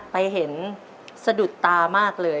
ไปเห็นสะดุดตามากเลย